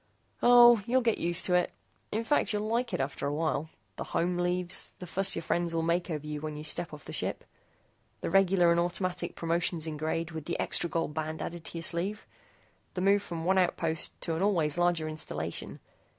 "Oh, you'll get used to it. In fact, you'll like it after a while. The home leaves. The fuss your friends will make over you when you step off the ship. The regular and automatic promotions in grade with the extra gold band added to your sleeve; the move from one outpost to an always larger installation.